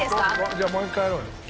じゃあもう１回やろうよ。